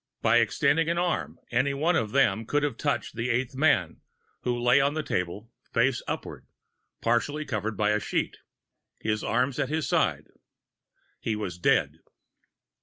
By extending an arm any one of them could have touched the eighth man, who lay on the table, face upward, partly covered by a sheet, his arms at his sides. He was dead.